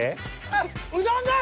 あっうどんが。